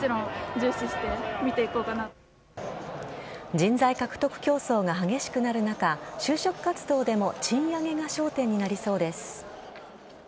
人材獲得競争が激しくなる中就職活動でも賃上げが焦点になりそうです。